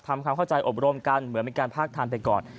ทำความเข้าใจอบรมกันเหมือนเป็นการภาคทันไปก่อน